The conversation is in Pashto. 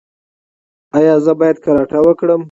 ایا زه باید کراټه وکړم؟